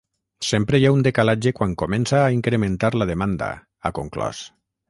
“Sempre hi ha un decalatge quan comença a incrementar la demanda”, ha conclòs.